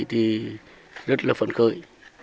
thì rất là phấn khởi